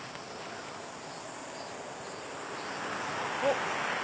おっ！